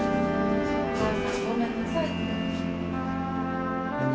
お母さんごめんなさいって。